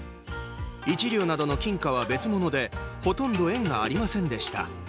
一両などの金貨は別物でほとんど縁がありませんでした。